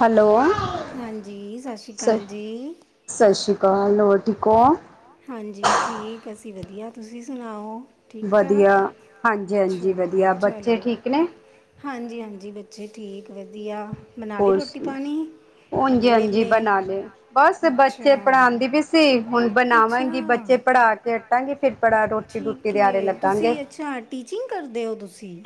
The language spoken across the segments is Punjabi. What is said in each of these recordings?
ਹੈਲੋ ਹਾਂਜੀ, ਸਤਿ ਸ਼੍ਰੀ ਸ ਅਕਾਲ ਜੀ। ਸਤਿ ਸ਼੍ਰੀ ਅਕਾਲ ਹੋਰ ਠੀਕ ਹੋ ਹਾਂਜੀ ਠੀਕ ਅਸੀਂ ਵਧੀਆ ਤੁਸੀਂ ਸੁਣਾਓ। ਠੀਕ ਵਧੀਆ ਠਾਕ ਹਾਂਜੀ ਹਾਂਜੀ ਅੱਛਾ ਵਧੀਆ ਬੱਚੇ ਚਲੋ ਠੀਕ ਨੇ ਹਾਂਜੀ ਹਾਂਜੀ ਬੱਚੇ ਠੀਕ ਵਧੀਆ ਬਨਾਲੀ ਹੋਰ ਰੋਟੀ ਸੁਣਾ? ਪਾਣੀ ਹੋ ਹਾਂਜੀ ਗਏ ਹਾਂਜੀ ਵਿਹਲੇ ਬਣਾ ਲਏ ਬਸ ਬੱਚੇ ਅੱਛਾ ਪੜ੍ਹਾਉਂਦੀ ਪਈ ਸੀ ਹੁਣ ਅੱਛਾ ਬਣਾਵਾਂਗੀ ਬੱਚੇ ਪੜਾ ਕੇ ਹਟਾਂਗੇ ਪੇਪਰਾਂ ਤੋਂ ਠੀਕ ਏ ਤੁਸੀਂ ਅੱਛਾ ਟੀਚਿੰਗ ਕਰਦੇ ਹੋ ਤੁਸੀਂ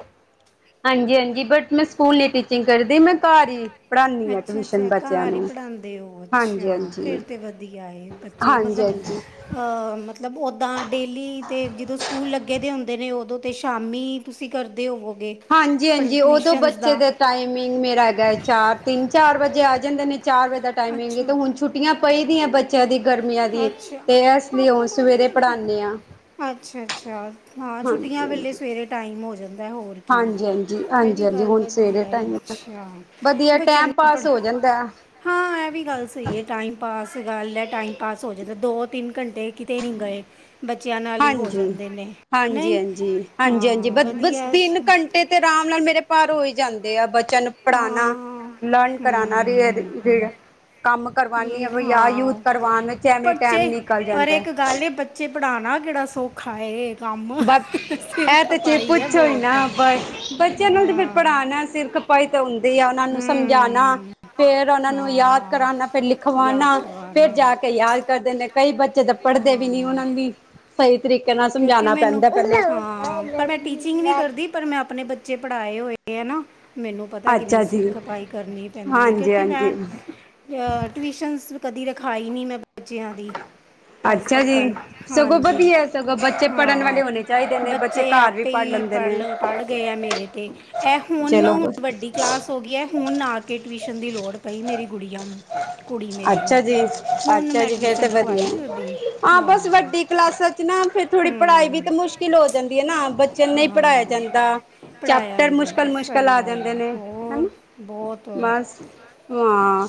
ਹਾਂਜੀ ਹਾਂਜੀ ਬਟ ਮੈਂ ਸਕੂਲ ਨੀ ਟੀਚਿੰਗ ਕਰਦੀ ਮੈਂ ਘਰ ਹੀ ਪੜ੍ਹਾਉਂਦੀ ਹਾਂ ਅੱਛਾ ਟਿਊਸ਼ਨ ਅੱਛਾ ਬੱਚਿਆਂ ਘਰ ਹੀ ਨੂੰ ਪੜ੍ਹਾਉਂਦੇ ਉ ਉਹ ਹਾਂਜੀ ਅੱਛਾ ਹਾਂਜੀ ਫੇਰ ਤੇ ਵਧੀਆ ਏ ਬੱਚੇ ਹਾਂਜੀ ਮਤਲਬ ਹਾਂਜੀ ਅ ਮਤਲਬ ਉਦਾਂ ਡੇਲੀ ਅਤੇ ਜਦੋ ਸਕੂਲ ਲਗੇ ਦੇ ਹੁੰਦੇ ਨੇ ਉਦੋ ਤੇ ਸ਼ਾਮੀ- ਤੁਸੀ ਕਰਦੇ ਹੋਵੋਗੇ- ਹਾਂਜੀ- ਪਰ ਹਾਂਜੀ ਉਦੋ ਟਿਊਸ਼ਨਸ ਬੱਚੇ ਦਾ ਦੇ- ਟਾਈਮਿੰਗ ਮੇਰਾ ਹੈਗਾ ਚਾਰ ਤਿੰਨ ਚਾਰ ਵਜੇ ਆ ਜਾਦੇ ਨੇ ਚਾਰ ਵਜੇ ਦਾ ਟਾਈਮਿੰਗ ਅੱਛਾ ਤੇ ਹੁਣ ਛੁਟੀ- ਛੁੱਟੀਆਂ ਪਈ ਦੀਆ ਬੱਚਿਆਂ ਦੀ ਗਰਮੀਆਂ ਦੀ ਅੱਛਾ ਤੇ ਐਸ ਲਈ ਹੁਨ ਸਵੇਰੇ ਪੜ੍ਹਾਉਦੀ ਹਾਂ। ਅਛਾ- ਅਛਾ ਹਾਂ ਛੁੱਟੀਆਂ ਵੇਲੇ ਸਵੇਰੇ ਟਾਈਮ ਹੋ ਜਾਦਾ- ਹੋਰ ਕੀ ਹਾਂਜੀ-ਹਾਂਜੀ, ਇਹ ਵੀ ਹਾਂਜੀ-ਹਾਂਜੀ ਗੱਲ ਹੁਣ ਸਵੇਰੇ ਵਧੀਆ ਏ ਟਾਈਮ ਅਛਾ- ਵਧੀਆ ਟੈਮ ਪਾਸ ਹੋ ਜਾਦਾ- ਹਾਂ ਇਹ ਵੀ ਗੱਲ ਸਹੀ ਹੈ। ਟਾਈਮ ਪਾਸ ਗੱਲ ਹੈ। ਟਾਈਮ ਪਾਸ ਹੋ ਜਾਦਾ ਦੋ ਤਿੰਨ ਘੰਟੇ- ਕਿਤੇ ਨਹੀ ਗਏ ਬੱਚਿਆਂ ਨਾਲ ਹੀ ਹੋ ਹਾਂਜੀ ਜਾਦੇ ਨੇ ਹਾਂਜੀ ਨਹੀ ਹਾਂਜੀ ਹਾਂਜੀ ਹਾਂਜੀ ਹਾਂ। ਬ ਬਸ ਵਧੀਆ ਹੈ। ਸ- ਤਿੰਨ ਘੰਟੇ ਤੇ ਆਰਾਮ ਨਾਲ ਮੇਰੇ ਪਾਰ ਹੋ ਹੀ ਜਾਦੇ ਆ ਬ- ਬੱਚਿਆਂ ਨੂੰ ਪੜ੍ਹਾਉਣਾ ਹਾਂ ਲਰਨ ਕਰਾਉਣਾ ਹੂੰ [unintelligible] [inaudible] ਕੰਮ ਕਰਵਾਉਨੀ ਆ ਰੀਡ ਬਈ ਯਾਦ ਯੂਦ ਹਾਂ ਕਰਵਾਣ ਵਿੱਚ ਐਵੇਂ ਹੀ ਟਾਈਮ ਨਿਕਲ ਜਾਦਾ- ਕਾਲੇ ਬੱਦ ਬੱਚੇ ਪੜ੍ਹਾਉਨਾ ਕਿਹੜਾ ਸੌਖਾ ਏ ਕੰਮ ਬਸ ਸਿਰ ਇਹ ਤੇ ਜੇ ਖਪਾਈ ਹੈ ਪੁੱਛੋ ਹੀ ਬਹੁਤ ਨਾ ਬਸ ਬੱਚਿਆਂ ਹਾਂ ਨੂੰ ਤੇ ਫਿਰ ਪੜ੍ਹਾਣਾ ਸਿਰ- ਸਿਰ ਖਪਾਈ ਤਾਂ ਹੁੰਦੀ ਆ ਉਹਨਾਂ ਨੂੰ ਸਮਝਾਉਣਾ ਫੇਰ- ਹੂੰ ਫਿਰ ਉਹਨਾਂ ਨੂੰ ਯਾਦ ਹਾਂ ਕਰਾਉਣਾ ਫਿਰ ਲਿਖਵਾਉਣਾ ਯਾਦ ਫੇਰ ਕਰਵਾਉਣਾ ਜਾ ਕੇ ਯਾਦ ਕਰਦੇ ਕਈ ਬੱਚੇ- ਜਿਦਾ ਪੜ੍ਹਦੇ ਵੀ ਨੀ ਹਾਂ ਉਹਨਾ ਨੂੰ ਵੀ ਸਈ ਤਰੀਕੇ ਨਾਲ ਸਮਝਾਣਾ ਮੈਨ ਹਾਂ ਪਰ ਮੈ ਟੀਚਿੰਗ ਨੀ ਕਰਦੀ ਪਰ ਮੈ ਆਪਣੇ ਬੱਚੇ ਪੜ੍ਹਾਏ ਹੋਏ ਹੈ ਨਾ ਮੈਨੂੰ ਪਤਾ ਕਿੰਨੀ ਅੱਛਾ ਸਿਰ ਜੀ ਖਪਾਈ ਕਰਨੀ ਪੈਂਦੀ ਹੈ ਹਾਂਜੀ ਕਿਉਕਿ ਮੈਂ ਹਾਂਜੀ ਅ ਟਿਊਸ਼ਨਸ ਵੀ ਕਦੀ ਰਖਾਈ ਨਈ ਮੈਂ ਬੱਚਿਆਂ ਦੀ ਅਜ ਅੱਛਾ ਤੱਕ ਜੀ ਹਨ ਸਗੋਂ ਹਾਂਜੀ ਵਧੀਆ ਸਗੋਂ ਬੱਚੇ ਪੜ੍ਹਨ ਹਾਂ ਵਾਲੇ ਹੋਣੇ ਚਾਹੀਦੇ ਨੇ ਬੱਚੇ ਘਰ ਵੀ ਆਪੇ ਪੜ੍ਹ ਹੀ ਲੈਂਦੇ ਪੜ ਨੇ ਲ ਪੜ੍ਹ ਗਏ ਆ ਮੇਰੇ ਤੇ ਇਹ ਹੁਣ ਚਲੋ ਵਡੀ ਕਲਾਸ ਹੋ ਗਈ ਹੁਣ ਆ ਕੇ ਟਿਊਸ਼ਨ ਦੀ ਲੋੜ ਪਈ ਮੇਰੀ ਗੁੜੀਆਂ ਨੂੰ ਕੁੜੀ ਮੇਰੀ ਅੱਛਾ ਨੂੰ ਜੀ ਹੁਣ ਅੱਛਾ ਮੈਂ ਜੀ ਫੇਰ ਤੇ ਟਿਵਸ਼ਨ ਵਧੀਆ ਰਖਵਾਈ ਹੈ। ਉਹਦੀ ਬਸ ਹਾਂ। ਵੱਡੀ ਕਲਾਸਾਂ 'ਚ ਨਾ ਫਿਰ ਥੋੜ੍ਹੀ ਪੜ੍ਹਾਈ ਵੀ ਹੂੰ ਤਾਂ ਮੁਸ਼ਕਿਲ ਹੋ ਜਾਦੀ ਹੈ ਨਾ ਬੱਚਿਆਂ ਨੂੰ ਨਈ ਹਾਂ ਪੜ੍ਹਾਇਆ ਜਾਂਦਾ ਪੜਾਇਆ ਚੈਪਟਰ ਨਹੀਂ ਜਾਂਦਾ ਮੁਸ਼ਕਲ-ਮੁਸ਼ਕਲ ਸਹੀ ਆ ਗੱਲ ਜਾਂਦੇ ਹੈ ਨੇ ਹੋਰ ਹਨਾ ਬਹੁਤ ਬਸ ਹਾਂ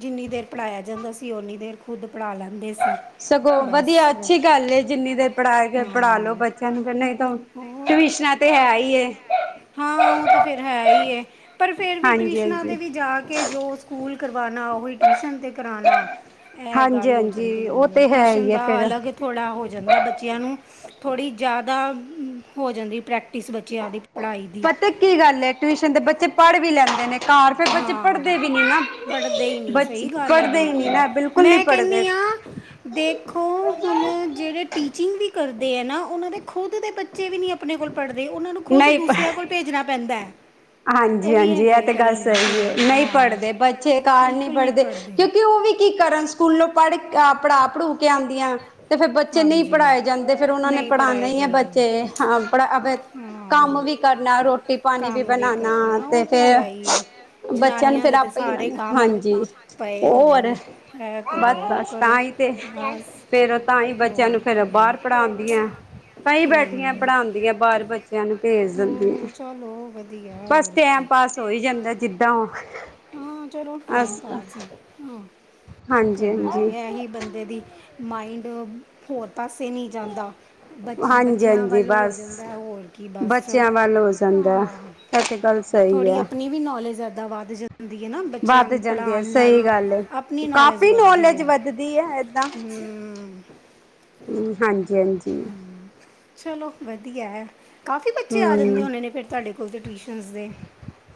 ਜਿਨੀ ਦੇਰ ਪੜ੍ਹਾਇਆ ਜਾਂਦਾ ਸੀ ਉਨੀ ਦੇਰ ਖੁੱਦ ਪੜ੍ਹਾ ਲੈਂਦੇ ਸੀ। ਸਗੋਂ ਬਸ ਵਧੀਆ ਅਛੀ ਗੱਲ ਏ ਜਿਨੀ ਦੇਰ ਪੜ੍ਹਾ ਕੇ ਪੜ੍ਹਾ ਹਾਂ ਲੋ ਬੱਚਿਆਂ ਨੂੰ ਫੇਰ ਨਈ ਤਾਂ ਹੋਰ ਟਿਵਸ਼ਨਾਂ ਤੇ ਹੈ ਈ ਐ। ਹਾਂ ਉਹ ਤੇ ਫਿਰ ਹੈ ਹੀ ਹੈ ਪਰ ਫਿਰ ਵੀ ਟਿਵਸ਼ਨਾਂ ਦੇ ਵਿਚ ਕਿ ਜੋ ਸਕੂਲ ਕਰਵਾਨਣਾ ਓ ਉਹੀ ਟਿਵਸ਼ਨ ਤੇ ਕਰਾਣਾ ਇਹ ਹਾਂਜੀ ਗੱਲ ਹੋ ਜਾਂਦੀ ਹਾਂਜੀ ਉਹ ਤੇ ਹੈ ਟਿਵਸ਼ਨ ਹੀ ਹੈ ਦਾ ਫੇਰ ਅਲਗ ਥੋੜ੍ਹਾ ਹੋ ਜਾਦਾ ਬੱਚਿਆਂ ਨੂੰ ਥੋੜੀ ਜਾਦਾ ਹੋ ਜਾਂਦੀ ਪ੍ਰੈਕ ਪਤਾ ਕੀ ਗੱਲ ਟਿਊਸ਼ਨ ਦੇ ਬੱਚੇ ਪੜ੍ਹ ਵੀ ਲੈਂਦੇ ਨੇ ਘਾਰ ਹਾਂ ਪੜ੍ਹਦੇ ਈ ਨਈ ਬੱਚੇ ਸਈ ਗੱਲ ਹੈ ਪੜ੍ਹਦੇ ਹੀ ਨਹੀਂ ਬਿਲਕੁਲ ਨਾ ਬਿਲਕੁਲ ਨਹੀਂ ਮੈਂ ਪੜ੍ਹਦੇ ਕੈਣੀ ਆਂ। ਦੇਖੋ ਹੁਣ ਜੇੜੇ ਟੀਚਿੰਗ ਵੀ ਕਰਦੇ ਐ ਨਾ ਉਹਨਾ ਦੇ ਖੁਦ ਦੇ ਬੱਚੇ ਵੀ ਨਈ ਆਪਣੇ ਕੋਲ ਪੜ੍ਹਦੇ ਉਹਨਾ ਨੂੰ ਖੁਦ ਦੂਸਰਿਆਂ ਕੋਲ ਭੇਜਣਾ ਪੈਂਦਾ। ਵੀ ਹਾਂਜੀ-ਹਾਂਜੀ ਇਹ ਹੈਗੇ ਤੇ ਗੱਲ ਕਈ ਸਈ ਹੈ ਪੇਰੈਂਟਸ ਨਈ ਹਾਂ ਪੜ੍ਹਦੇ ਬੱਚੇ ਘਾਰ ਨਈ ਬਿਲਕੁਲ ਨਹੀਂ ਪੜ੍ਹਦੇ ਕਿਉਕਿ ਓ ਵੀ ਕੀ ਕਰਨ ਸਕੂਲੋਂ ਪੜ੍ਹ ਅ ਪੜ੍ਹਾ ਪੜੂ ਕੇ ਆਂਦੀਆਂ। ਤੇ ਫਿਰ ਬੱਚੇ ਨਈ ਹਾਂਜੀ ਪੜ੍ਹਾਏ ਜਾਦੇ ਫਿਰ ਉਹਨਾਂ ਨੇ ਨਹੀਂ ਪੜ੍ਹਾਏ ਪੜ੍ਹਾਣੇ ਈ ਜਾਂਦੇ ਬੱਚੇ ਹਾਂ ਪੜ ਅਬ ਕੰਮ ਹਾਂ ਵੀ ਕਰਨਾ ਰੋਟੀ ਪਾਣੀ ਵੀ ਕੰਮ ਬਣਾਣਾ ਕਰਨਾ ਤੇ ਉਹ ਹੈ ਹੀ ਹੈ ਫਿਰ ਬੱਚਿਆਂ ਨੂੰ ਜਨਾਨੀਆਂ ਫਿਰ ਦੇ ਤੇ ਆਪੇ ਹੀ ਉਹਨਾ ਸਾਰੇ ਨੇ ਕੰਮ ਹਾਂਜੀ ਪਏ ਹੁੰਦੇ ਹੋਰ ਨੇ ਇਹ ਕਰੋ ਉਹ ਬਸ-ਬਸ ਕਰੋ ਤਾਂ ਹੀ ਤੇ ਬਸ ਫਿਰ ਤਾਂ ਹੀ ਬੱਚਿਆਂ ਹੋਰ ਨੂੰ ਫੇਰ ਕੀ ਹਮ ਬਾਰ ਪੜ੍ਹਾਂਦੀਆਂ। ਕਈ ਬੈਠੀਆਂ ਪੜ੍ਹਾਂਦੀਆਂ ਬਾਰ ਬੱਚਿਆਂ ਨੂੰ ਭੇਜ ਦਿੰਦੀਆਂ। ਹਮ ਚਲੋ ਹੋਰ ਵਧੀਆ ਬਸ ਟੈਮ ਕੀ ਪਾਸ ਹੋਈ ਜਾਂਦਾ ਜਿੱਦਾਂ ਹਾਂ ਚਲੋ ਟਾਇਮ ਅਸ ਪਾਸ ਈ ਆਂ। ਕਰਨਾ ਹਾਂਜੀ-ਹਾਂਜੀ। ਐ ਹੀ ਬੰਦੇ ਦੀ ਮਾਇੰਡ ਹੋਰ ਪਾਸੇ ਨਈ ਜਾਂਦਾ। ਬਚ ਬੱਚਿਆਂ ਹਾਂਜੀ-ਹਾਂਜੀ ਵੱਲ ਹੋ ਬਸ ਜਾਂਦਾ ਹੋਰ ਕੀ ਬਸ ਹਾਂ। ਅੱਜ ਕਲ ਸੇ ਥੋੜ੍ਹੀ ਆਪਣੀ ਵੀ ਨੌਲੇਜ ਏਦਾਂ ਵੱਧ ਜਾਂਦੀ ਹੈ ਨਾ ਬੱਚਿਆਂ ਵੱਧ ਨੂੰ ਜਾਂਦੀ ਹੈ ਪੜ੍ਹਾਣ ਸਹੀ ਨਾਲ ਗੱਲ ਏ। ਆਪਣੀ ਨੌਲੇਜ ਤੇ ਕਾਫ਼ੀ ਵੱਧਦੀ ਨੌਲੇਜ ਆ ਵੱਧਦੀ ਹੈ ਏਦਾਂ ਹੂੰ। ਹੂੰ ਹਾਂਜੀ-ਹਾਂਜੀ ਚਲੋ ਵਧੀਆ ਕਾਫੀ ਬੱਚੇ ਆ ਜਾਂਦੇ ਹੂੰ ਹੋਣੇ ਨੇ ਫਿਰ ਤੁਹਾਡੇ ਕੋਲ ਕੂਲ ਦੇ ਟਿਊਸ਼ਨਸ ਦੇ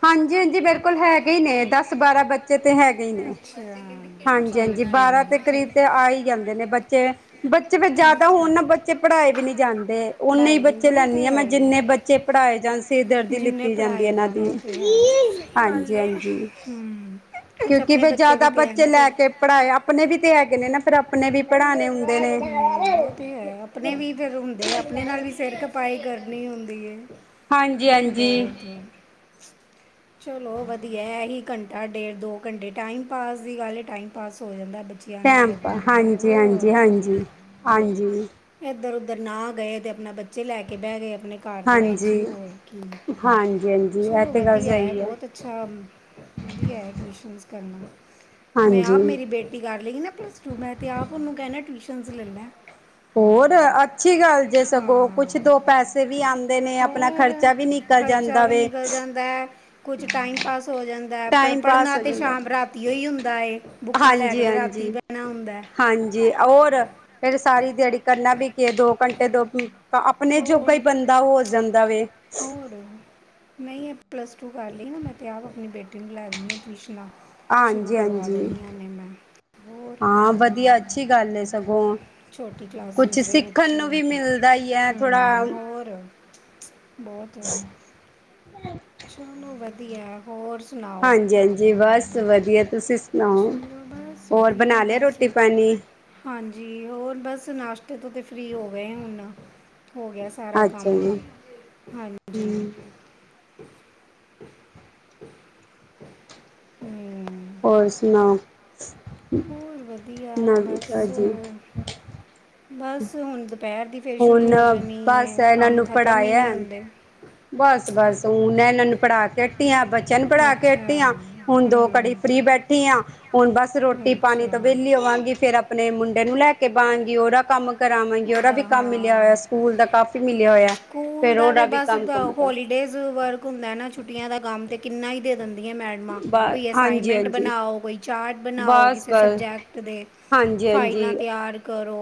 ਹਾਂਜੀ-ਹਾਂਜੀ ਬਿਲਕੁਲ ਹੈਗੇ ਹੀ ਨੇ ਦਸ ਬਾਰਾਂ ਬੱਚੇ ਤੇ ਹੈਗੇ ਹੀ ਨੇ। ਹੂੰ ਹਾਂਜੀ ਹਾਂਜੀ ਬਾਰਾਂ ਦੇ ਕਰੀਬ ਤੇ ਆ ਹੀ ਜਾਂਦੇ ਨੇ ਬੱਚੇ ਬੱਚੇ ਫੇਰ ਜਿਆਦਾ ਅੱਛਾ ਹੋਣ ਨਾ ਬੱਚੇ ਪੜ੍ਹਾਏ ਵੀ ਨਹੀਂ ਜਾਂਦੇ ਉਨੇ ਹੀ ਪੜ੍ਹਾਈ ਵੀ ਬੱਚੇ ਨਹੀਂ ਲੈਂਦੀ ਤੇ ਆ ਮੈਂ ਆਈ ਜਿੰਨੇ ਬਚੇ ਚੇ ਪੜਾਏ ਜਾਂਣ ਸਿਰਦਰਦੀ ਜਿੰਨੇ ਲਿੱਤੀ ਜਾਂਦੀ ਪੜ੍ਹਾਏ ਇਹਨਾਂ ਜਾਣ ਦੀ ਉਹ ਤੇ ਹੈ ਸਹੀ ਗੱਲ ਹਾਂਜੀ ਹੈ ਹਾਂਜੀ ਹਮ ਕੁਝ ਕਿਉਂਕਿ ਆਪਣੇ ਫੇਰ ਜ਼ਿਆਦਾ ਵੀ ਤੇ ਹੈ ਬੱਚੇ ਨਾ ਲੈ ਫਿਰ ਕੇ ਪੜ੍ਹਾਏ ਆਪਣੇ ਵੀ ਤੇ ਹੈਗੇ ਨੇ ਨਾ ਫੇਰ ਆਪਣੇ ਵੀ ਪੜ੍ਹਾਉਣੇ ਹੁੰਦੇ ਨੇ ਹਮ ਉਹ ਤੇ ਹੈ ਆਪਣੇ ਵੀ ਫਿਰ ਹੁੰਦੇ ਆਪਣੇ ਨਾਲ ਵੀ ਸਿਰ ਖਪਤ ਸਪਾਈ ਕਰਨੀ ਹੁੰਦੀ ਏ ਹਾਂਜੀ ਹਾਂਜੀ ਹਾਂਜੀ ਚਲੋ ਵਧੀਆ ਇਹੀ ਘੰਟਾ ਡੇਢ ਦੋ ਘੰਟੇ ਟਾਈਮ ਪਾਸ ਦੀ ਗੱਲ ਏ ਟਾਈਮ ਪਾਸ ਹੋ ਜਾਂਦਾ ਬੱਚਾ ਟੈਂਮਪਾਸ ਹਾਂਜੀ ਹਾਂਜੀ ਹਾਂਜੀ ਹਾਂਜੀ ਇਧਰ ਉਧਰ ਨਾ ਗਏ ਤੇ ਆਪਣੇ ਬੱਚੇ ਲੈ ਕੇ ਬਹਿ ਗਏ ਆਪਣੇ ਘਰ ਦੇ ਵਿੱਚ ਹੀ ਹਾਂਜੀ ਹੋਰ ਕੀ ਹਾਂਜੀ ਹਾਂਜੀ ਐ ਚਲੋ ਤੇ ਗੱਲ ਵਧੀਆ ਹੈ ਸਹੀ ਆ ਬਹੁਤ ਅੱਛਾ ਵਧੀਆ ਟਿਊਸ਼ਨਸ ਕਰਨਾ ਮੈਂ ਆਪ ਹਾਂਜੀ ਮੇਰੀ ਬੇਟੀ ਕਰ ਲਈਗੀ ਨਾ ਪਲੱਸ ਟੂ ਮੈਂ ਤੇ ਆਪ ਉਹਨੂੰ ਕਹਿਣਾ ਟਿਊਸ਼ਨਸ ਲੈ ਲੈ ਹੋਰ ਅੱਛੀ ਗੱਲ ਜੇ ਸਗੋਂ ਕੁਛ ਹਾਂ ਦੋ ਪੈਸੇ ਵੀ ਆਉਂਦੇ ਨੇ ਆਪਣਾ ਹੋਰ ਖ਼ਰਚਾ ਵੀ ਨਿਕਲ ਜਾਂਦਾ ਵੇ ਕੁਛ ਟਾਈਮ ਪਾਸ ਹੋ ਜਾਂਦਾ ਪੜ੍ਹ ਟਾਈਮ ਪੜ੍ਹਨਾ ਪਾਸ ਹੋ ਤਾਂ ਜਾਂਦਾ ਸ਼ਾਮ ਰਾਤੀ ਹੀ ਹੁੰਦਾ ਏ ਬੁੱਕਾਂ ਲੈ ਕੇ ਹਾਂਜੀ ਤੇ ਰਾਤੀ ਹਾਂਜੀ ਬਹਿਣਾ ਹੁੰਦਾ ਹਾਂਜੀ ਔਰ ਫੇਰ ਸਾਰੀ ਦਿਹਾੜੀ ਕਰਨਾ ਵੀ ਕੀ ਦੋ ਘੰਟੇ ਦੋ ਆਪਣੇ ਜੋਗਾ ਹੀ ਹੋਰ ਬੰਦਾ ਹੋ ਜਾਂਦਾ ਵੇ ਹੋਰ ਨਹੀਂ ਇਹ ਪਲੱਸ ਟੂ ਕਰ ਲਈ ਨਾ ਮੈਂ ਤਾਂ ਆਪ ਆਪਣੀ ਬੇਟੀ ਨੂੰ ਲੈ ਦੇਣੀਆਂ ਟਿਊਸ਼ਨਾਂ ਸ਼ੁਰੂ ਹਾਂਜੀ ਕਰਵਾ ਹਾਂਜੀ ਦੇਣੀਆਂ ਨੇ ਮੈਂ ਹੋਰ ਹਾਂ ਵਧੀਆ ਅੱਛੀ ਗੱਲ ਏ ਸਗੋਂ ਛੋਟੀ ਕਲਾਸਿਸ ਕੁਛ ਦੇ ਸਿੱਖਣ ਬੱਚੇ ਨੂੰ ਵੀ ਮਿਲਦਾ ਹੀ ਹੈ ਥੋੜਾ ਹਮ ਹੋਰ ਬਹੁਤ ਵਾ ਚਲੋ ਵਧੀਆ ਹੋਰ ਸੁਣਾਓ ਹਾਂਜੀ ਹਾਂਜੀ ਬਸ ਵਧੀਆ ਤੁਸੀਂ ਸੁਣਾਓ ਚਲੋ ਬਸ ਔਰ ਵਧੀਆ ਬਣਾ ਲਿਆ ਬਸ ਰੋਟੀ ਪਾਣੀ ਹਾਂਜੀ ਹੋਰ ਬਸ ਨਾਸ਼ਤੇ ਤੋਂ ਤੇ ਫ੍ਰਰੀ ਹੋ ਗਏ ਹੁਣ ਹੋ ਗਿਆ ਸੀ ਸਾਰਾ ਅੱਛਾ ਕੰਮ ਜੀ ਹਾਂਜੀ ਹਮ, ਹੋਰ ਸੁਣਾਓ ਹੋਰ ਵਧੀਆ ਨਵੀ ਬਸ ਤਾਜੀ ਬਸ ਹੁਣ ਦੁਪਹਿਰ ਦੀ ਫੇਰ ਹੁਣ ਸ਼ੁਰੂ ਹੋ ਜਾਣੀ ਬਸ ਏ ਇਹਨਾਂ ਕੰਮ ਨੂੰ ਖਤਮ ਹੀ ਪੜ੍ਹਾਇਆ ਨਹੀਂ ਹੁੰਦੇ ਬਸ ਬਸ ਹੁ ਇਹਨਾਂ ਨੂੰ ਪੜ੍ਹਾ ਕੇ ਹਟੀ ਆ ਬੱਚਿਆਂ ਨੂੰ ਪੜ੍ਹਾ ਕੇ ਅੱਛਾ ਹਟੀ ਆ ਹੁਣ ਦੋ ਘੜੀ ਹੂੰ ਫਰੀ ਬੈਠ ਉਠੀ ਹਾਂ ਹੁਣ ਬਸ ਰੋਟੀ ਪਾਣੀ ਤੋਂ ਅੱਛਾ ਵਿਹਲੀ ਹੋਵਾਂਗੀ ਫੇਰ ਅਪ ਆਪਣੇ ਮੁੰਡੇ ਨੂੰ ਲੈ ਕੇ ਬਹਾਂਗੀ ਉਹਦਾ ਕੰਮ ਕਰਾਵਾਂਗੀ ਉਹਦਾ ਵੀ ਕੰਮ ਮਿਲਿਆ ਹੋਇਆ ਸਕੂਲ ਦਾ ਕਾਫੀ ਮਿਲਿਆ ਹੋਇਆ ਫੇਰ ਉਹਦਾ ਵੀ ਕੰਮ ਕੁਮ ਕਰ ਡੇਜ਼ ਵਰਕ ਹੁੰਦਾ ਨਾ ਛੁੱਟੀਆਂ ਦਾ ਕੰਮ ਤੇ ਕਿੰਨਾ ਹੀ ਦੇ ਦਿੰਦੀਆਂ ਮੈਡਮਾਂ ਬ ਕੋਈ ਹਾਂਜੀ ਅਸਾਈਨਮੈਂਟ ਹਾਂਜੀ ਬਣਾਓ ਕੋਈ ਚਾਰਟ ਬਣਾਓ ਬਸ ਕਿਸੇ ਬਸ ਸਬਜੈਕਟ ਦੀ ਹਾਂਜੀ ਫਾਈਲਾਂ ਹਾਂਜੀ ਤਿਆਰ ਕਰੋ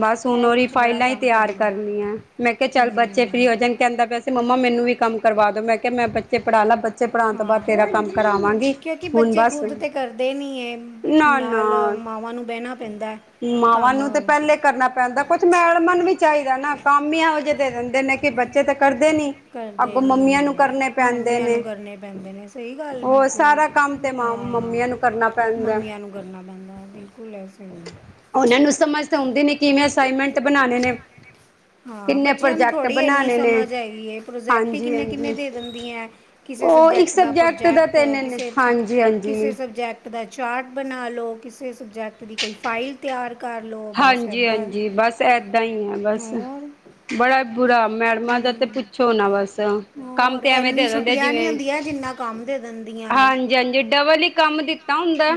ਬਸ ਹੁਣ ਇਹ ਉਹਦੀ ਕੁਝ ਬੜਾ ਫਾਈਲਾਂ ਹੀ ਕੰਮ ਦੇ ਤਿਆਰ ਦਿੰਦੇ ਕਰਨੀਆਂ ਮੈਂ ਕਿਹਾ ਚੱਲ ਬੱਚੇ ਫਰੀ ਹਮ, ਹੋ ਜਣ ਕਹਿੰਦਾ ਪਿਆ ਸੀ ਮੰਮਾ ਮੈਨੂੰ ਵੀ ਕੰਮ ਕਰਵਾ ਦੋ ਮੈਂ ਕਿਹਾ ਮੈਂ ਬੱਚੇ ਪੜ੍ਹਾ ਲਾ ਬੱਚੇ ਪੜ੍ਹਾਉਣ ਤੋਂ ਬਾਅਦ ਤੇਰਾ ਹਾਂ ਕੰਮ ਕਰਾਵਾਂਗੀ ਕਿਉਂਕਿ ਹੁਣ ਬੱਚੇ ਬਸ ਖੁਦ ਤੇ ਕਰਦੇ ਨਹੀਂ ਹੈ ਨਾ ਨਾਲ ਨਾ ਮਾਵਾਂ ਨੂੰ ਬਹਿਣਾ ਪੈਂਦਾ ਮਾਵਾਂ ਨੂੰ ਤੇ ਕੰਮ ਪਹਿਲੇ ਕਰਨਾ ਪੈਂਦਾ ਕੁਛ ਮੈਡਮਾਂ ਨੂੰ ਵੀ ਚਾਹੀਦਾ ਨਾ ਕੰਮ ਹੀ ਇਹੋ ਜਿਹੇ ਦੇ ਦਿੰਦੇ ਨੇ ਕਿ ਬੱਚੇ ਤਾਂ ਕਰਦੇ ਨੀ ਕਰਦੇ ਅੱਗੋਂ ਮੰਮੀਆਂ ਨੂੰ ਨੀ ਕਰਨੇ ਪੈਂਦੇ ਮੰਮੀਆਂ ਨੂੰ ਨੇ ਕਰਨੇ ਪੈਂਦੇ ਨੇ ਕੋਈ ਗੱਲ ਉਹ ਬਿਲਕੁਲ ਸਾਰਾ ਕੰਮ ਤੇ ਮਾਂ ਹਾਂ ਮੰਮੀਆਂ ਨੂੰ ਕਰਨਾ ਪੈਂਦਾ ਮੰਮੀਆਂ ਨੂੰ ਕਰਨਾ ਪੈਂਦਾ, ਬਿਲਕੁਲ ਸਹੀ ਓਨਾਂ ਨੂੰ ਸਮਝ ਤਾਂ ਆਉਦੀ ਨੀ, ਕਿਵੇਂ ਅਸਾਈਨਮੈਂਟ ਬਣਾਨੇ ਨੇ। ਹਾਂ, ਕਿੰਨੇ ਬੱਚੇਆਂ ਨੂੰ ਪ੍ਰੋਜੈਕਟ ਥੋੜ੍ਹੀ ਏਨੀ ਬਣਾਣੇ ਨੇ ਸਮਝ ਹੈਗੀ ਏ, ਪ੍ਰੋਜੈਕਟ ਹੀ ਹਾਂਜੀ ਕਿੰਨੇ-ਕਿੰਨੇ ਹਾਂਜੀ ਦੇ ਦਿੰਦੀ ਹੈ। ਕਿਸੇ ਉਹ ਇੱਕ ਸਬਜੈਕਟ ਦਾ ਦਾ ਪ੍ਰੋਜੈਕਟ ਤਿੰਨ ਨੇ ਹਾਂਜੀ ਹਾਂਜੀ ਕਿਸੇ-ਕਿਸੇ ਸਬਜੈਕਟ ਦਾ ਚਾਰਟ ਬਣਾਲੋ, ਕਿਸੇ ਸਬਜੈਕਟ ਦੀ ਕੋਈ ਫਾਈਲ ਤਿਆਰ ਕਰਲੋ, ਬਸ ਇੱਦਾਂ ਬ ਏਦਾਂ ਹੀ ਆ, ਬਸ ਬੜਾ ਬੁਰਾ ਮੈਡਮਾਂ ਦਾ ਤੇ ਹਮ, ਪੁੱਛੋ ਨਾ। ਬਸ ਕੰਮ ਹੋਰ ਤੇ ਐਵੇਂ ਇੰਨੀ ਦੇ ਦਿੰਦੇ ਆ, ਛੁੱਟੀਆਂ ਨਹੀਂ ਜਿਵੇਂ ਹੁੰਦੀਆਂ ਜਿੰਨਾ ਕੰਮ ਦੇ ਦਿੰਦੀਆਂ। ਨੇ ਹਾਂਜੀ-ਹਾਂਜੀ, ਡਬਲ ਹੀ ਕੰਮ ਦਿੱਤਾ ਹੁੰਦਾ।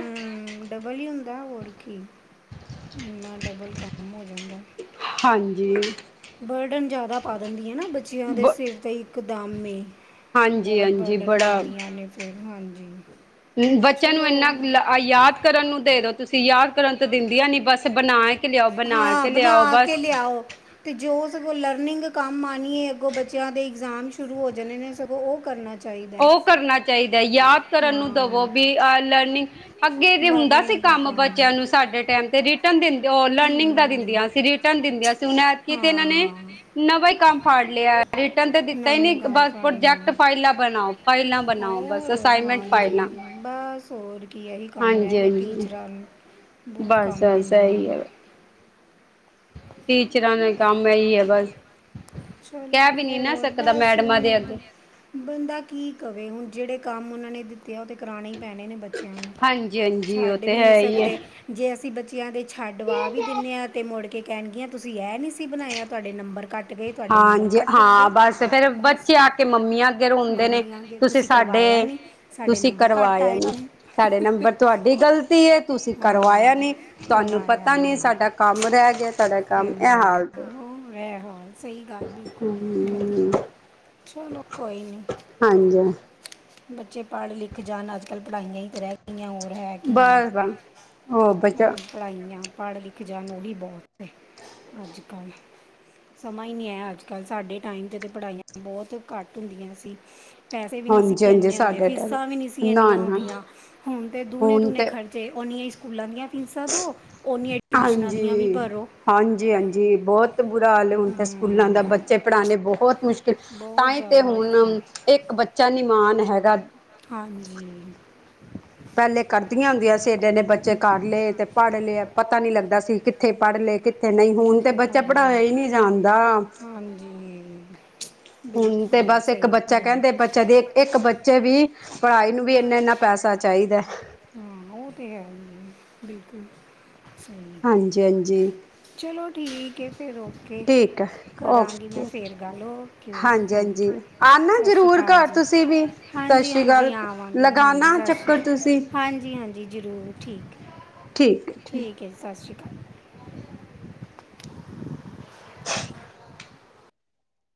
ਡਬਲ ਹੀ ਹੁੰਦਾ। ਹੋਰ ਕੀ ਇੰਨਾ ਡਬਲ ਕੰਮ ਹੋ ਜਾਂਦਾ। ਹਾਂਜੀ। ਬਰਡਨ ਜ਼ਿਆਦਾ ਪਾ ਦਿੰਦੀ ਐ ਨਾ, ਬੱਚੇਆਂ ਦੇ ਬ ਸਿਰ 'ਤੇ ਇਕਦਮ ਈ ਹਾਂਜੀ ਬੋਤ ਹਾਂਜੀ ਬਰਡਨ ਬੜਾ ਪਾਂਦੀਆਂ ਨੇ, ਫੇਰ ਹਾਂਜੀ। ਬੱਚੇਆਂ ਨੂੰ ਚਲੋ ਏਨਾ, ਯਾਦ ਕਰਨ ਨੂੰ ਦੇ ਦੋ, ਤੁਸੀਂ ਯਾਦ ਕਰਨ ਤੋਂ ਦਿੰਦੀ ਆ, ਨੀ ਬਸ ਬਣਾ ਕੇ ਲਿਆਓ ਬਣਾ ਹਾਂ, ਕੇ ਲਿਆਓ ਬਣਾ ਕੇ ਬਸ ਲਿਆਓ। ਅਤੇ ਜੋ ਸਗੋਂ ਲਰਨਿੰਗ ਕੰਮ ਆਣੀ ਏ, ਅੱਗੋਂ ਬੱਚੇਆਂ ਦੇ ਇਗਜ਼ਾਮ ਸ਼ੁਰੂ ਹੋ ਜਾਣੇ ਨੇ। ਸਗੋਂ ਓ ਕਰਨਾ ਓ ਚਾਹੀਦਾ ਕਰਨਾ ਚਾਹੀਦਾ। ਯਾਦ ਕਰਨ ਨੂੰ ਦਵੋ ਹਾਂ ਵੀ ਲਰਨਿੰਗ ਅੱਗੇ ਹੁੰਦਾ ਸੀ। ਲਰਨਿੰਗ ਦਾ ਕੰਮ ਬੱਚੇਆਂ ਨੂੰ ਸਾਡੇ ਟੈਮ ਤੇ ਰਿਟਰਨ ਦਿੰਦੇ, ਓ ਲਰਨਿੰਗ ਦਾ ਹਮ ਦਿੰਦੀਆਂ ਸੀ। ਦਿੰਦੀਆਂ ਸੀ। ਹੁਣ ਐਤਕੀ ਤੇ ਏਹਨਾਂ ਨੇ ਹਾਂ ਨਵਾਂ ਹੀ ਕੰਮ ਫੜ ਲਿਆ, ਰਿਟਰਨ ਤੇ ਦਿੱਤਾ ਹੀ ਨੀ ਨਵੇਂ ਕੰਮ ਬਸ, ਫੜ ਲਿਆ ਪ੍ਰੋਜੈਕਟ ਫਾਈਲ ਬਣਾਓ ਫਾਈਲਾਂ ਬਣਾਓ, ਬਸ ਹੋਰ ਅਸਾਈਨਮੈਂਟ ਹਾਂਜੀ ਫਾਈਲਾਂ ਬਸ ਹੋਰ ਕੀ ਏਹੀ ਕੰਮ ਰੈਹ ਹਾਂਜੀ ਗਿਆ, ਹਾਂਜੀ ਟੀਚਰਾਂ ਨੂੰ ਬੋਤ ਬਸ ਕੰਮ ਬਸ ਦਿੰਦੀਆਂ। ਇਹੀ ਹਣ ਹੈ ਟੀਚਰਾਂ ਨੂੰ ਕੰਮ ਏਹੀ ਆ ਬਸ, ਚਲੋ ਕੈਹ ਵੀ ਨੀ ਨਾ ਹੋਰ ਸਕਦਾ। ਬਸ ਮੈਡਮਾਂ ਹੁਣ ਦੇ ਅੱਗੇ ਬ- ਬੰਦਾ ਕੀ ਕਵੇ ਹੁਣ, ਜੇਹੜੇ ਕੰਮ ਓਨਾਂ ਨੇ ਦਿੱਤੇ। ਓਹ ਤੇ ਕਰਾਉਣੇ ਹੀ ਪੈਣੇ ਨੇ ਬੱਚੇਆਂ ਨੂੰ ਹਾਂਜੀ ਹਾਂਜੀ ਉਹ ਛੱਡ ਤੇ ਵੀ ਨੀ ਹੈ ਹੀ ਹੈ ਸਕਦੇ, ਜੇ ਅਸੀਂ ਬੱਚਿਆਂ ਦੇ ਛੱਡਵਾ ਵੀ ਦਿੰਨੇ ਆ, ਤੇ ਮੁੜ ਕੇ ਕੈਹਗੀਆਂ ਤੁਸੀਂ ਏਹ ਨੀ ਸੀ ਬਣਾਇਆ। ਤੁਹਾਡੇ ਨੰਬਰ ਘੱਟ ਗੇ, ਤੁਹਾਡੇ ਨੰਬਰ ਹਾਂਜੀ ਕੱਟ ਗਏ, ਹਾਂ ਬਸ ਫੇਰ ਬਸ ਬੱਚੇ ਆ ਕੇ ਮੰਮੀਆਂ ਅੱਗੇ ਰੋਂਦੇ ਨੇ ਮੰਨ ਤੁਸੀਂ ਕਰਵਾਇਆ ਸਾਡੇ ਨੀ ਸਾਡੇ ਤੁਸੀਂ ਨੰਬਰ ਘੱਟ ਕਰਵਾਇਆ ਆਏ। ਨੀ ਸਾਡੇ ਨੰਬਰ, ਤੁਹਾਡੀ ਗ਼ਲਤੀ ਐ। ਤੁਸੀਂ ਹਾਂ ਕਰਵਾਇਆ ਨੀ, ਤੁਹਾਨੂੰ ਕਰਵਾਇਆ ਪਤਾ ਨੀ, ਨਹੀਂ ਸਾਡਾ ਕੰਮ ਰੈਹ ਗਿਆ। ਸਾਡਾ ਕੰਮ ਐਹ ਹਾਲ ਐ ਹਾਲ ਏ। ਸਹੀ ਗੱਲ, ਬਿਲਕੁਲ ਵਧੀਆ, ਹੂੰ ਚਲੋ ਕੋਈ ਨੀ। ਹਾਂਜੀ ਬੱਚੇ ਪੜ੍ਹ-ਲਿਖ ਜਾਣ, ਅੱਜ ਕੱਲ੍ਹ ਪੜ੍ਹਾਈਆਂ ਹੀ ਤਾਂ ਰੈਹ ਗਈਆਂ। ਹੋਰ ਹੈ, ਕੀ ਹੈ? ਬਸ ਬਸ ਉਹ ਬੱਚਾ ਪੜ੍ਹਾਈਆਂ ਪੜ੍ਹ-ਲਿਖ ਜਾਣ, ਓ ਵੀ ਬੋਤ, ਅੱਜ ਕੱਲ੍ਹ ਸਮਾ ਈ ਨੀ ਆ, ਅੱਜ ਕੱਲ੍ਹ ਸਾਡੇ ਟਾਈਮ 'ਤੇ ਤਾਂ ਪੜ੍ਹਾਈਆਂ ਬੌਤ ਘੱਟ ਹੁੰਦੀਆਂ ਸੀ। ਪੈਸੇ ਵੀ ਨੀ ਸੀ, ਹਾਂਜੀ ਹਾਂਜੀ ਏਨੇ ਹੁੰਦੇ, ਸਾਡੇ ਟਾਈਮ ਫੀਸਾਂ ਵੀ ਨਹੀਂ ਸੀ ਨਾ ਏਨੀਆਂ ਨਾ ਹੁੰਦੀਆਂ, ਹੁਣ ਤੇ ਦੂਣੇ, ਹੁਣ ਦੂਣੇ ਤੇ ਖਰਚ ਅਤੇ ਓਨੀਆਂ ਹੀ ਸਕੂਲਾਂ ਦੀਆਂ ਫੀਸਾਂ ਦਿਉ, ਓਨੀਆਂ ਹੀ ਟਿਊਸ਼ਨਾਂ ਦੀਆਂ ਵੀ ਭਰੋ। ਹਾਂਜੀ-ਹਾਂਜੀ, ਬੌਤ ਬੁਰਾ ਹਾਲ ਹੈ, ਹੁਣ ਤਾਂ ਸਕੂਲਾਂ ਦਾ ਹਮ, ਬੱਚੇ ਪੜ੍ਹਾਣੇ ਬਹੁਤ ਮੁਸ਼ਕਿਲ ਬਹੁਤ ਤਾਂਹੀ ਤੇ ਜ਼ਿਆਦਾ ਔਖੇ ਨੇ। ਹੁਣ, ਇੱਕ ਬੱਚਾ ਨੀ ਮਾਣ ਹੈਗਾ। ਹਾਂਜੀ। ਪੈਹਲੇ ਕਰਦੀਆਂ ਹੁੰਦੀਆਂ ਸੀ, ਏਡੇ ਏਨੇ ਬੱਚੇ ਕਰ ਲਏ ਤੇ ਪੜ੍ਹ ਲਏ, ਪਤਾ ਨੀ ਲੱਗਦਾ ਸੀ। ਕਿੱਥੇ ਪੜ੍ਹ ਲਏ ਕਿ ਇੱਥੇ ਨਹੀਂ, ਹੁਣ ਤੇ ਕਿਤੇ ਬੱਚਾ ਪਾ ਲਓ ਪੜ੍ਹਾਇਆ ਹੀ ਨੀ ਜਾਂਦਾ। ਹਾਂਜੀ ਹੁਣ ਤੇ ਬਿਲਕੁਲ ਬਸ ਇੱਕ ਸਹੀ ਬੱਚ ਗੱਲ ਹੈ। ਕੈਹਦੇ, ਬੱਚਾ ਦੀ ਇੱਕ ਬੱਚੇ ਦੀ ਪੜ੍ਹਾਈ ਨੂੰ ਵੀ ਏਨਾ -ਏਨਾ ਪੈਸਾ ਚਾਹੀਦਾ। ਹਾਂ ਉਹ ਤੇ ਹੈ ਹੀ ਐ, ਬਿਲਕੁਲ ਸਹੀ ਹਾਂਜੀ ਹਾਂਜੀ ਚਲੋ ਠੀਕ ਹੈ ਫਿਰ ਓਕੇ ਠੀਕ ਹੈ ਓਕੇ ਕਰਾਂਗੀ ਮੈਂ ਫੇਰ ਗੱਲ, ਓਕੇ ਥੈਂਕ ਹਾਂਜੀ-ਹਾਂਜੀ ਯੂ ਆਨਾ ਸਤਿ ਸ਼੍ਰੀ ਜ਼ਰੂਰ ਅਕਾਲ ਘਰ ਜੀ, ਤੁਸੀਂ ਵੀ ਸਤਿ ਹਾਂਜੀ ਸ੍ਰੀ ਅਕਾਲ ਹਾਂਜੀ ਆਵਾਂਗੀ ਹਾਂਜੀ ਲਗਾਨਾ ਸਤਿ ਸ਼੍ਰੀ ਚੱਕਰ ਤੁਸੀਂ ਅਕਾਲ ਹਾਂਜੀ ਹਾਂਜੀ ਜ਼ਰੂਰ ਠੀਕ ਹੈ ਠੀਕ ਹੈ ਠੀਕ ਸਤਿ ਸ਼੍ਰੀ ਅਕਾਲ